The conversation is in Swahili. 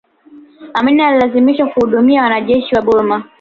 amin alilazimishwa kuhudumia wanajeshi wa burma